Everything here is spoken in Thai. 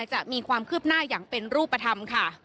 จะมีความคืบหน้าอย่างเป็นรูปธรรมค่ะ